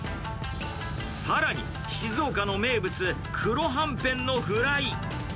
さらに、静岡の名物、黒はんぺんのフライ。